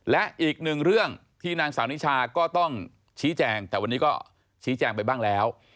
และอีกหนึ่งเรื่องที่นางสาวนิชาก็ต้องชี้แจงแต่วันนี้ก็ชี้แจงไปบ้างแล้ว